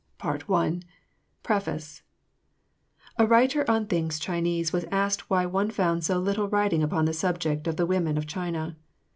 Part 1. Preface_. A writer on things Chinese was asked why one found so little writing upon the subject of the women of China.